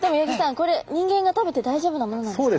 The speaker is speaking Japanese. これ人間が食べて大丈夫なものなんですか？